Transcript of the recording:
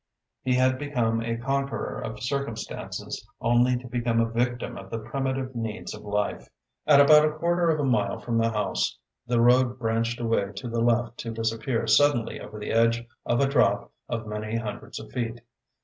He had become a conqueror of circumstances only to become a victim of the primitive needs of life. At about a quarter of a mile from the house, the road branched away to the left to disappear suddenly over the edge of a drop of many hundreds of feet.